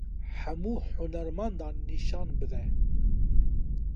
Hemû hunermendan nîşan bide.